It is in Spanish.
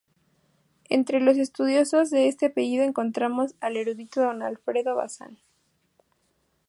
Entre los estudiosos de este apellido encontramos al erudito Don Alfredo Basan.